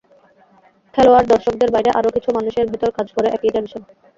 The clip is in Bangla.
খেলোয়াড়, দর্শকদের বাইরে আরও কিছু মানুষের ভেতর কাজ করে একই টেনশন।